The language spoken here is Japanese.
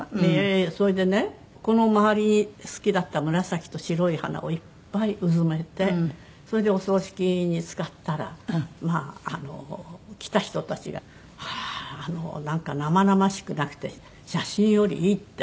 それでねこの周りに好きだった紫と白い花をいっぱいうずめてそれでお葬式に使ったらまあ来た人たちが「あら生々しくなくて写真よりいい」って。